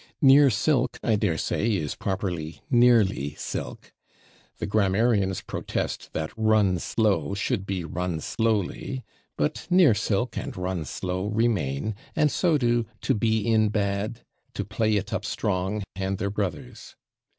/Near silk/, I daresay, is properly /nearly silk/. The grammarians protest that "run /slow/" should be "run /slowly/." But /near silk/ and "run /slow/" remain, and so do "to be in /bad/," "to play it up /strong/" and their brothers.